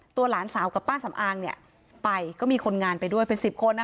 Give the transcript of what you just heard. ตัวหลานสาวกับป้าสำอางเนี้ยไปก็มีคนงานไปด้วยเป็นสิบคนนะคะ